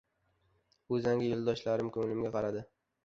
Uzangi yo‘ldoshlarim ko‘nglimga qaradi.